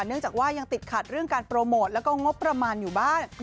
เนื่องจากว่ายังติดขัดเรื่องการโปรโมทแล้วก็งบประมาณอยู่บ้าง